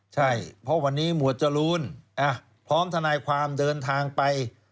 ใช่เพราะวันนี้หมวดจรูนพร้อมทนายความเดินทางไป